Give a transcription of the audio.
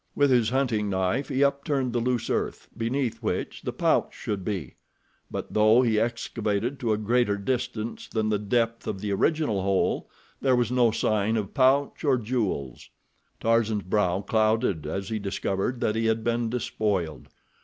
With his hunting knife he upturned the loose earth, beneath which the pouch should be; but, though he excavated to a greater distance than the depth of the original hole there was no sign of pouch or jewels. Tarzan's brow clouded as he discovered that he had been despoiled.